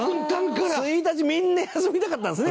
山崎：１日、みんな休みたかったんですね